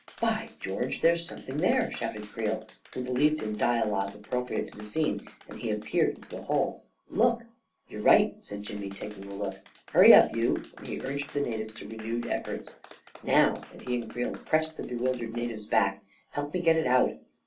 " By George, there's something there !" shouted Creel, who believed in dialogue appropriate to the scene, and he peered into the hole. " Look! "" You're right I " said Jimmy, taking a look. 14 Hurry up, you !" and he urged the natives to re newed efforts. " Now I " and he and Creel pressed the bewildered natives back. " Help me get it out!"